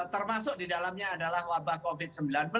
termasuk di dalamnya adalah wabah covid sembilan belas